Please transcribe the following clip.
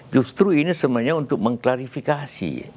justru ini sebenarnya untuk mengklarifikasi